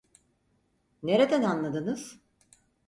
Nereden anladınız?